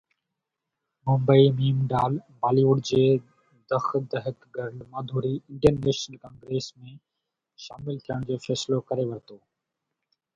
ممبئي (م ڊ) Bollywood جي دک دھڪ girl Madhuri Indian National Congress ۾ شامل ٿيڻ جو فيصلو ڪري ورتو آهي.